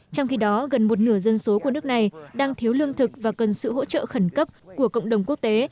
trong khi đó gần một nửa dân số của nước này đang thiếu lương thực và cần sự hỗ trợ khẩn cấp của cộng đồng quốc tế